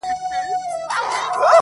دغه دی يو يې وړمه، دغه دی خو غلا یې کړم~